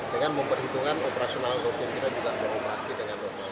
dengan memperhitungkan operasional login kita juga beroperasi dengan normal